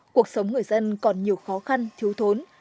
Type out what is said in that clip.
cuộc sống người dân còn nhiều khó khăn thiếu thốn